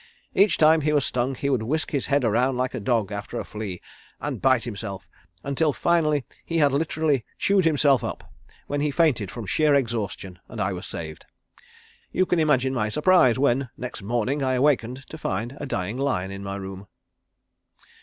Each time he was stung he would whisk his head around like a dog after a flea, and bite himself, until finally he had literally chewed himself up, when he fainted from sheer exhaustion, and I was saved. You can imagine my surprise when next morning I awakened to find a dying lion in my room."